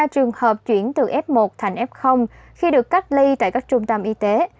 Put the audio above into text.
ba trường hợp chuyển từ f một thành f khi được cách ly tại các trung tâm y tế